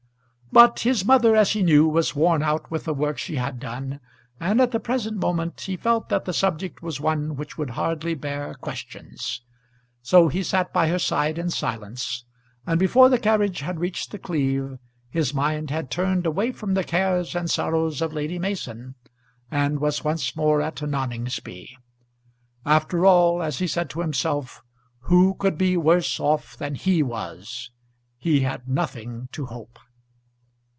But his mother, as he knew, was worn out with the work she had done, and at the present moment he felt that the subject was one which would hardly bear questions. So he sat by her side in silence; and before the carriage had reached The Cleeve his mind had turned away from the cares and sorrows of Lady Mason, and was once more at Noningsby. After all, as he said to himself, who could be worse off than he was. He had nothing to hope.